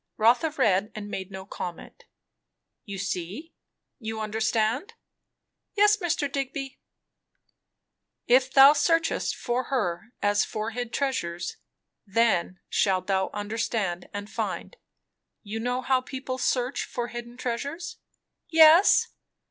Rotha read, and made no comment. "You see? You understand?" "Yes, Mr. Digby." "'If thou searchest for her as for hid treasures, then shalt thou understand, and find.' You know how people search for hid treasures?" "Yes."